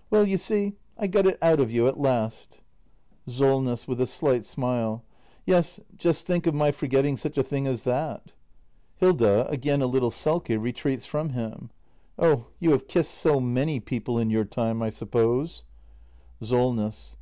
] Well, you see, I got it out of you at last! Solness. [With a slight smile.] Yes — just think of my forget ting such a thing as that. Hilda. [Again a little sulky, retreats from him.] Oh, you have kissed so many people in your time, I suppose. 306 THE MASTER BUILDER [act i SOLNESS.